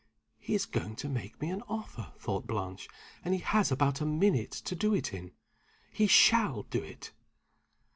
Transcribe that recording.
"He is going to make me an offer," thought Blanche; "and he has about a minute to do it in. He shall do it!"